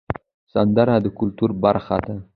سندره د کلتور برخه ده